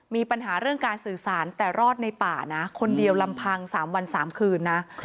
มีปัญหาเรื่องการสื่อสารแต่รอดในป่านะคนเดียวลำพัง๓วัน๓คืนนะ